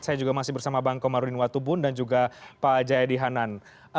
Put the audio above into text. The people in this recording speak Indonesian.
saya juga masih bersama bang komarudin watubun dan juga pak jayadi hanan